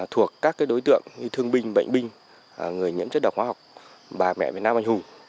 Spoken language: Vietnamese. thuộc các đối tượng như thương binh bệnh binh người nhiễm chất độc hóa học bà mẹ việt nam anh hùng